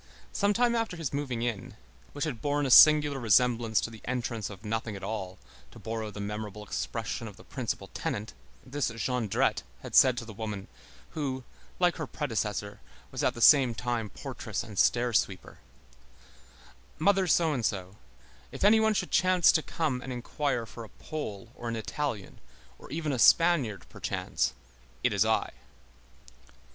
Some time after his moving in, which had borne a singular resemblance to the entrance of nothing at all, to borrow the memorable expression of the principal tenant, this Jondrette had said to the woman, who, like her predecessor, was at the same time portress and stair sweeper: "Mother So and So, if any one should chance to come and inquire for a Pole or an Italian, or even a Spaniard, perchance, it is I."